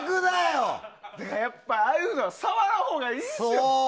ああいうのは触らんほうがいいですよ。